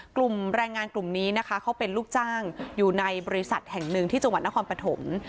กลุ่มแรงงานกลุ่มนี้นะคะเขาเป็นลูกจ้างอยู่ในบริษัทแห่งหนึ่งที่จังหวัดนครปฐม